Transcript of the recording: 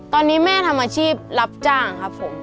ตอนนี้แม่ทำอาชีพรับจ้างครับผม